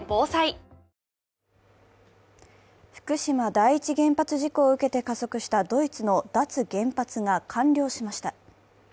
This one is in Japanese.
第一原発事故を受けて加速したドイツの脱原発が完了しました。